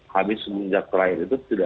habis semenjak terakhir itu